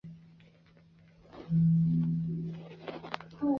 中麝鼩为鼩鼱科麝鼩属的动物。